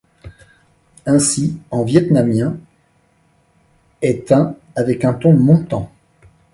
Ainsi, en vietnamien, est un avec un ton montant.